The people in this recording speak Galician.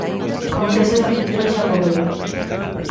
Congreso da Cultura Xacobea.